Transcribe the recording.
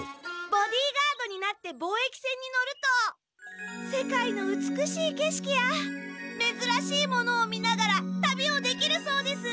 ボディーガードになってぼうえき船に乗ると世界の美しいけしきやめずらしいものを見ながら旅をできるそうです。